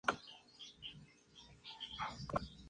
Solamente existían seis copias de la película.